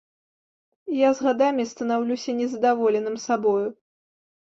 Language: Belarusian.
Я з гадамі станаўлюся незадаволеным сабою.